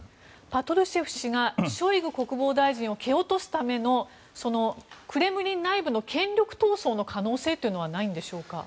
パトルシェフ氏がショイグ国防大臣を蹴落とすためのクレムリン内部の権力闘争の可能性というのはないのでしょうか。